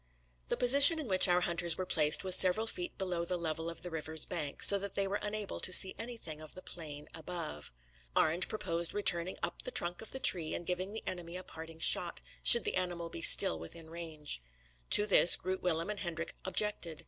The position in which our hunters were placed was several feet below the level of the river's bank, so that they were unable to see anything of the plain above. Arend proposed returning up the trunk of the tree and giving the enemy a parting shot, should the animal be still within range. To this, Groot Willem and Hendrik objected.